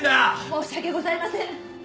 申し訳ございません！